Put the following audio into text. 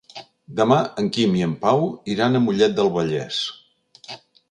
Demà en Quim i en Pau iran a Mollet del Vallès.